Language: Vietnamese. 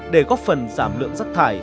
để góp phần giảm lượng rác thải